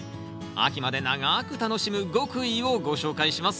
秋まで長く楽しむ極意をご紹介します。